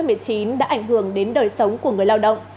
covid một mươi chín đã ảnh hưởng đến đời sống của người lao động